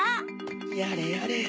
やれやれ